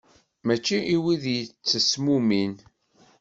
Mačči i wid yettesmumin.